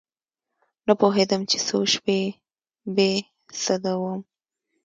نه پوهېدم چې څو شپې بې سده وم.